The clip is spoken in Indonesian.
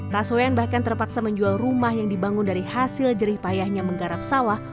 taswean bahkan terpaksa menjual rumah yang dibangun dari hasil jerih payahnya menggarap sawah